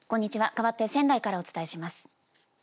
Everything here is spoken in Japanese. かわって仙台からお伝えします。